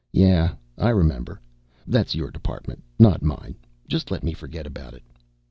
"Yes, I remember. That's your department, not mine. Just let me forget about it."